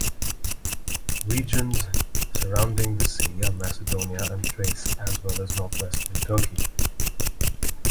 Regions surrounding the sea are Macedonia and Thrace as well as northwestern Turkey.